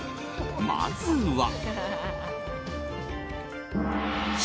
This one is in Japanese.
まずは。